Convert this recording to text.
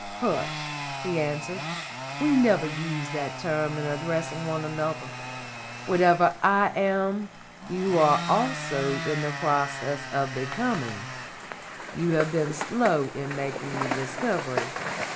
"Hush!" he answered; "we never use that term in addressing one another. Whatever I am, you are also in process of becoming. You have been slow in making the discovery.